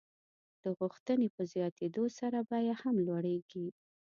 د غوښتنې په زیاتېدو سره بیه هم لوړېږي.